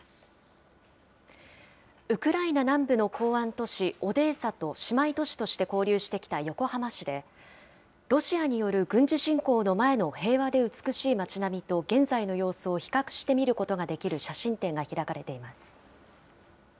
ウクライナ南部の港湾都市オデーサと姉妹都市として交流してきた横浜市で、ロシアによる軍事侵攻の前の平和で美しい町並みと、現在の様子を比較して見ることができる写真展が開かれています。